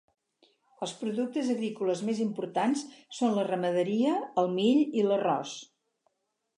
Els productes agrícoles més importants són la ramaderia, el mill i l'arròs.